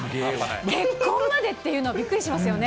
結婚までっていうのはびっくりしますよね。